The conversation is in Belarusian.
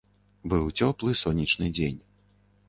Быў цёплы сонечны дзень.